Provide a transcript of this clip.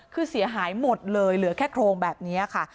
คือเสียหายหมดเลยเหลือแค่โครงแบบนี้ค่ะ